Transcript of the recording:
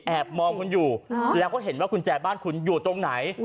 มองคุณอยู่แล้วก็เห็นว่ากุญแจบ้านคุณอยู่ตรงไหน